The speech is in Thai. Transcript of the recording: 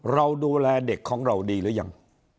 เราดูแลเด็กของเราดีหรือยัง